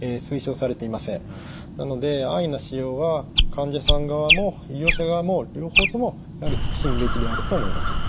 なので安易な使用は患者さん側も医療者側も両方ともやはり慎むべきであると思います。